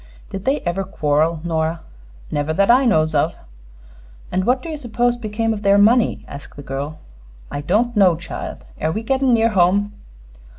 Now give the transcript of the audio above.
"Did they ever quarrel, Nora?" "Never that I knows of." "And what do you suppose became of their money?" asked the girl. "I don't know, child. Air we gettin' near home?"